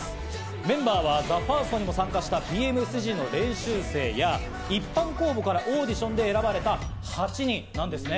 メンバーはＴＨＥＦＩＲＳＴにも参加したＢＭＳＧの練習生や、一般公募からオーディションで選ばれた８人なんですね。